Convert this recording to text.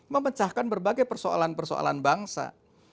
memecahkan berbagai persoalan persoalan bangsa